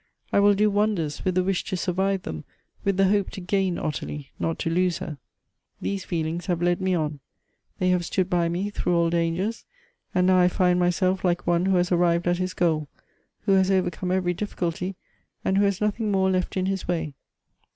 I will do wonders, with the wish to survive them ; with the hope to gain Ottilie, not to lose her.' These feelings have led me on ; they have stood by me through all dangers ; and now I find myself like one who has arrived at his goal, who has overcome every difficulty and who has nothing more left in his way.